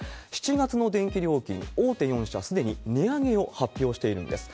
７月の電気料金、大手４社、すでに値上げを発表しているんです。